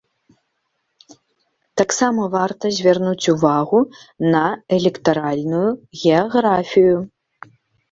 Таксама варта звярнуць увагу на электаральную геаграфію.